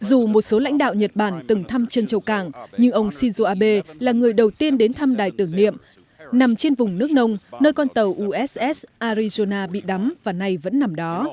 dù một số lãnh đạo nhật bản từng thăm chân cảng nhưng ông shinzo abe là người đầu tiên đến thăm đài tưởng niệm nằm trên vùng nước nông nơi con tàu uss arizona bị đắm và nay vẫn nằm đó